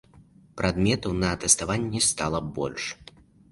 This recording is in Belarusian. Прадметаў на тэставанні стала больш.